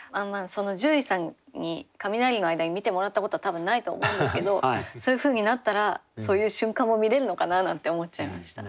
獣医さんに雷の間に診てもらったことは多分ないとは思うんですけどそういうふうになったらそういう瞬間も見れるのかななんて思っちゃいました。